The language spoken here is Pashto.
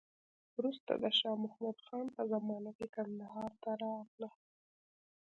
وروسته د شا محمود خان په زمانه کې کندهار ته راغله.